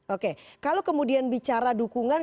oke kalau kemudian bicara dukungan